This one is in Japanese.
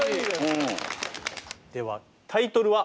ではタイトルは？